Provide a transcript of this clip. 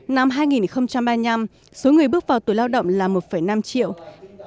năm hai nghìn ba mươi năm số người bước vào tuổi lao động là một ba triệu người